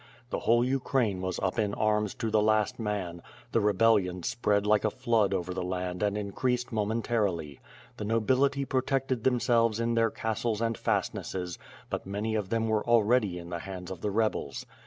The whole Ukraine was up in arms to the last man; the rebellion spread like a flood over the land and increased momentarily. The nobility protected themselves, in their castles and fastnesses, but many of them were already in the hands of the rebels.